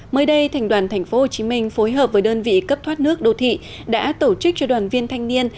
mới đây thành đoàn tp hcm phối hợp với đơn vị cấp thoát nước đô thị đã tổ chức cho đoàn viên thanh niên